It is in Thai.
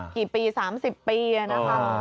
กี่ปี๓๐ปีนะคะ